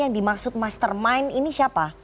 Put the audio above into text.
yang dimaksud mastermind ini siapa